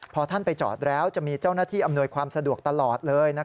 พอท่านไปจอดแล้วจะมีเจ้าหน้าที่อำนวยความสะดวกตลอดเลย